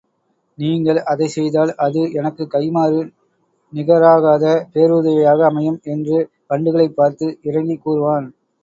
நீங்கள் அதைச் செய்தால் அது எனக்குக் கைமாறு நிகராகாத பேருதவியாக அமையும்! என்று வண்டுகளைப் பார்த்து இரங்கிக் கூறுவான்.